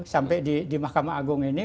sampai di mahkamah agung ini